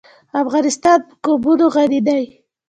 افغانستان په قومونه غني دی.